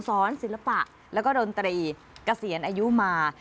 ศิลปะแล้วก็ดนตรีเกษียณอายุมา